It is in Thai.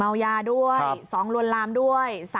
เมายาด้วย๒ลวนลามด้วย